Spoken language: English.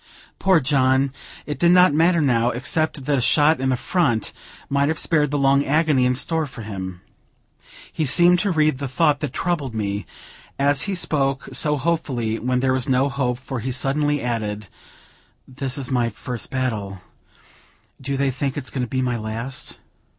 Poor John! it did not matter now, except that a shot in the front might have spared the long agony in store for him. He seemed to read the thought that troubled me, as he spoke so hopefully when there was no hope, for he suddenly added: "This is my first battle; do they think it's going to be my last?"